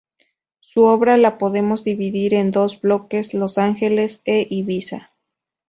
Su obra la podemos dividir en dos bloques: Los Ángeles e Ibiza.